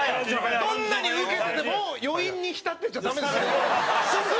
澤部：どんなにウケてても余韻に浸ってちゃダメですよね。